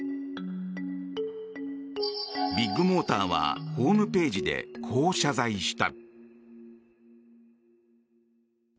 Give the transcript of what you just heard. ビッグモーターはホームページでこう謝罪した。